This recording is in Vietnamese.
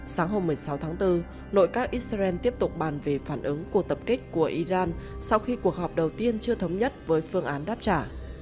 sáng hôm một mươi sáu tháng bốn nội các israel tiếp tục bàn về phản ứng cuộc tập kích của iran sau khi cuộc họp đầu tiên chưa thống nhất với phương án đáp trả